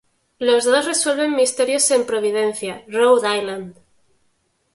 Los dos resuelven misterios en Providencia, Rhode Island.